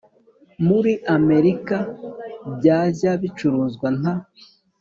Muri amerika byajya bicuruzwa nta